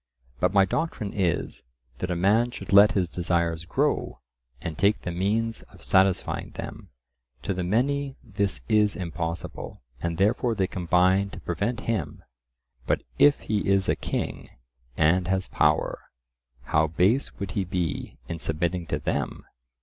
But my doctrine is, that a man should let his desires grow, and take the means of satisfying them. To the many this is impossible, and therefore they combine to prevent him. But if he is a king, and has power, how base would he be in submitting to them!